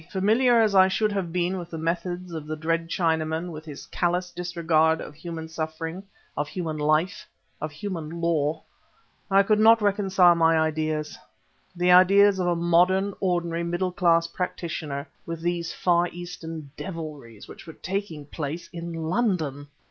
Familiar as I should have been with the methods of the dread Chinaman, with his callous disregard of human suffering, of human life, of human law, I could not reconcile my ideas the ideas of a modern, ordinary middle class practitioner with these Far Eastern devilries which were taking place in London.